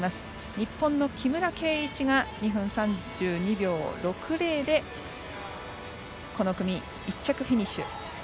日本の木村敬一が２分３２秒６０でこの組１着フィニッシュ。